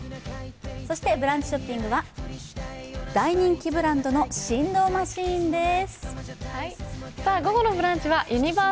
そして「ブランチショッピング」は大人気ブランドの振動マシンです。